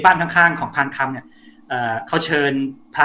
บ้านข้างของพานค้ำเขาเชินพระ